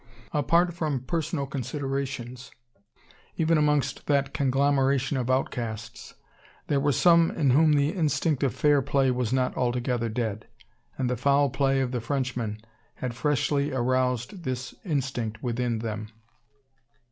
Apart from personal considerations, even amongst that conglomeration of outcasts, there were some in whom the instinct of "fair play" was not altogether dead; and the foul play of the Frenchman had freshly aroused this instinct within them.